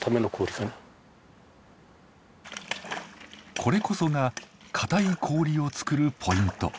これこそが硬い氷を作るポイント。